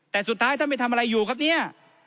แต่สุดท้ายท่านไปทำอะไรอยู่ครับเนี่ย